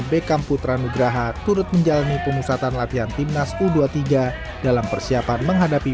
bekam putra nugraha turut menjalani pemusatan latihan timnas u dua puluh tiga dalam persiapan menghadapi